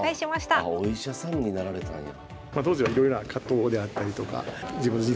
お医者さんになられたんや。